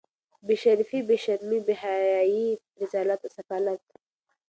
بې شرفي بې شرمي بې حیايي رذالت سفالت